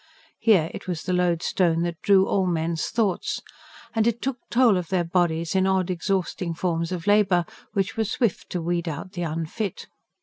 Here, it was the loadstone that drew all men's thoughts. And it took toll of their bodies in odd, exhausting forms of labour, which were swift to weed out the unfit.